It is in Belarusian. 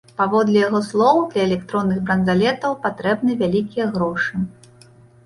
Паводле яго слоў, для электронных бранзалетаў патрэбныя вялікія грошы.